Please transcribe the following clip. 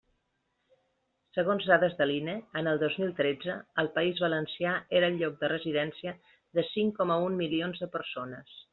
Segons dades de l'INE, en el dos mil tretze el País Valencià era el lloc de residència de cinc coma un milions de persones.